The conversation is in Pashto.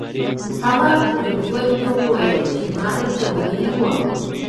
هغه فریدګل ته وویل چې ما درته ویلي وو